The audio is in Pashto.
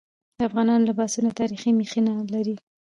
د افغانانو لباسونه تاریخي مخینه لري.